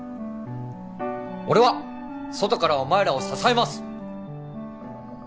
俺は外からお前らを支えます！